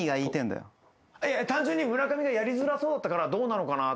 単純に村上がやりづらそうだったからどうなのかなと。